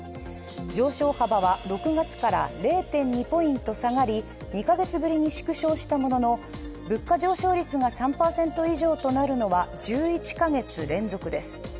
上昇幅は６月から０．２ポイント下がり２か月ぶりに縮小したものの物価上昇率が３％以上となるのは１１か月連続です。